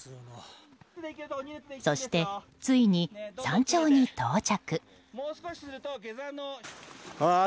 そして、ついに山頂に到着。